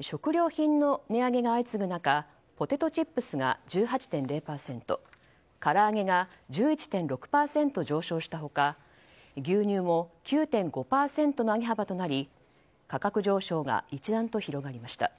食料品の値上げが相次ぐ中ポテトチップスが１８．０％からあげが１１．６％上昇した他牛乳も９．５％の上げ幅となり価格上昇が一段と広がりました。